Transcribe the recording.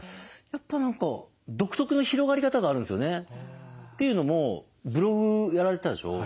やっぱ何か独特の広がり方があるんですよね。というのもブログやられてたでしょ。